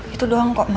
itu doang kok ma